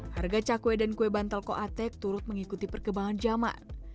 harga cakwe dan kue bantal koate turut mengikuti perkembangan zaman